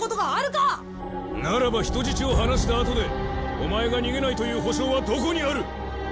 ならば人質を放したあとでオマエが逃げないという保証はどこにある！？